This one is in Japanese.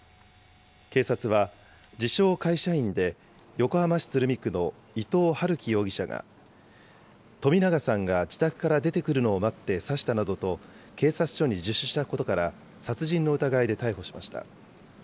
警察は、自称会社員で横浜市鶴見区の伊藤龍稀容疑者が、冨永さんが自宅から出てくるのを待って刺したなどと警察署に自首したことから、殺人の疑いで逮捕しました。